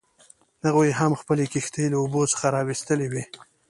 هغوی هم خپلې کښتۍ له اوبو څخه راویستلې وې.